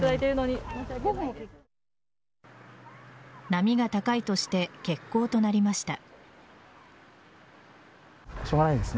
波が高いとして欠航となりました。